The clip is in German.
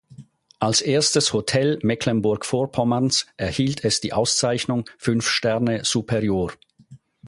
Als erstes Hotel Mecklenburg-Vorpommerns erhielt es die Auszeichnung „Fünf-Sterne-Superior“.